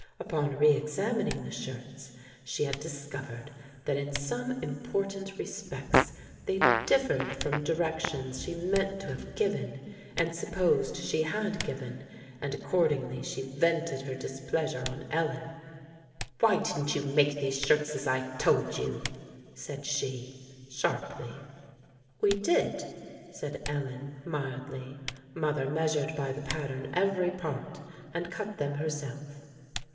Upon reëxamining the shirts, she had discovered that in some important respects they differed from directions she meant to have given, and supposed she had given; and, accordingly, she vented her displeasure on Ellen. "Why didn't you make these shirts as I told you?" said she, sharply. "We did," said Ellen, mildly; "mother measured by the pattern every part, and cut them herself."